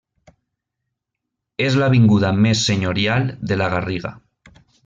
És l'avinguda més senyorial de la Garriga.